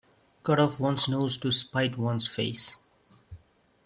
Cut off one's nose to spite one's face.